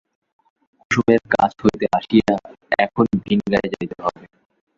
কুসুমের কাছ হইতে আসিয়া এখনি ভিনগায়ে যাইতে হইবে।